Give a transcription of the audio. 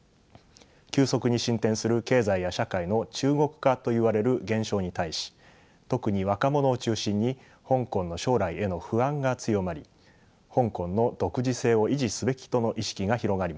急速に進展する経済や社会の中国化といわれる現象に対し特に若者を中心に香港の将来への不安が強まり香港の独自性を維持すべきとの意識が広がりました。